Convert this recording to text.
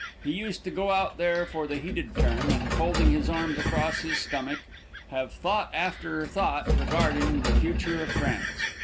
He used to go out there for the heated term, and folding his arms across his stomach, have thought after thought regarding the future of France.